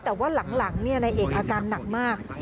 แต่ว่าหลังนายเอกอาการหนักมาก